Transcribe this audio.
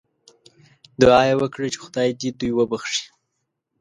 دعا یې وکړه چې خدای دې دوی وبخښي.